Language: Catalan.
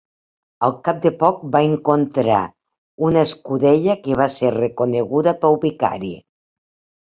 Al cap de poc va encontrar una escudella que va ser reconeguda pel vicari.